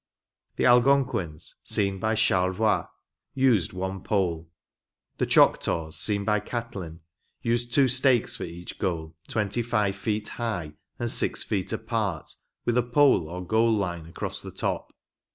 The Algonquins, seen by Charlevoix, used one pole. The Choctaws, seen by Catlin, used two stakes for each goal, twenty five feet high, and six feet apart, with a pole or goal line across the top.